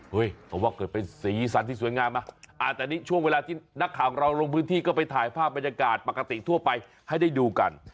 เพราะว่าเกิดเป็นสีสันที่สวยงามนะแต่นี่ช่วงเวลาที่นักข่าวของเราลงพื้นที่ก็ไปถ่ายภาพบรรยากาศปกติทั่วไปให้ได้ดูกัน